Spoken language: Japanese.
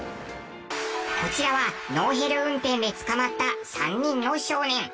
こちらはノーヘル運転で捕まった３人の少年。